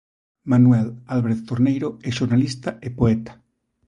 Manuel Álvarez Torneiro é xornalista e poeta.